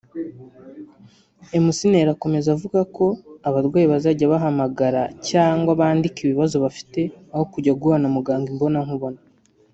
McNeill akomeza avuga ko abarwayi bazajya bahamagara cyangwa bandike ibibazo bafite aho kujya guhura na muganga imbonankubone